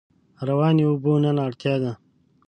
روانې اوبه نن اړتیا ده.